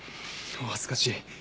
お恥ずかしい。